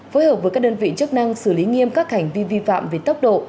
phối hợp với các đơn vị chức năng xử lý nghiêm các hành vi vi phạm về tốc độ